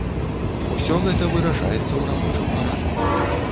Усё гэта вырашаецца ў рабочым парадку.